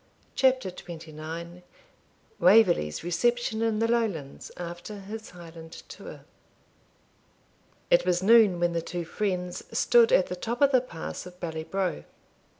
CHAPTER XXIX WAVERLEY'S RECEPTION IN THE LOWLANDS AFTER HIS HIGHLAND TOUR It was noon when the two friends stood at the top of the pass of Bally Brough.